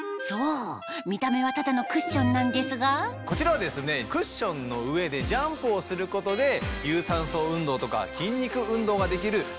そう見た目はただのクッションなんですがこちらはクッションの上でジャンプをすることで有酸素運動とか筋肉運動ができる。